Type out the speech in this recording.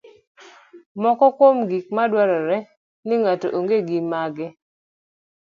Moko kuom gik madwarore ni ng'ato ong'e gin mage?